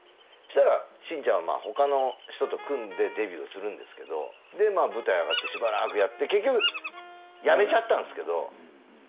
そうしたらシンちゃんはほかの人と組んでデビューするんですけど舞台上がってしばらくやって結局やめちゃったんですけど。